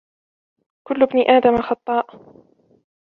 كل ابن آدم خطاّء